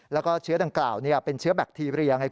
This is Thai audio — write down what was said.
แล้วก็เชื้อดังกล่าวเป็นเชื้อแบคทีเรียไง